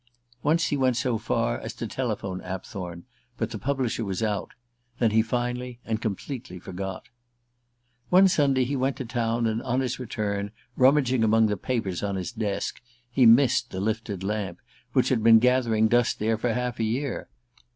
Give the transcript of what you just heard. Once he went so far as to telephone Apthorn, but the publisher was out. Then he finally and completely forgot. One Sunday he went out of town, and on his return, rummaging among the papers on his desk, he missed "The Lifted Lamp," which had been gathering dust there for half a year.